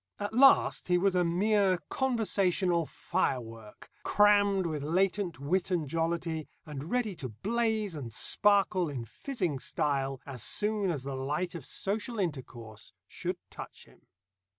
At last he was a mere conversational firework, crammed with latent wit and jollity, and ready to blaze and sparkle in fizzing style as soon as the light of social intercourse should touch him.